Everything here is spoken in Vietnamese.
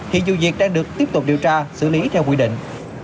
hiện vụ việc đang được tiếp tục điều tra xử lý theo quy định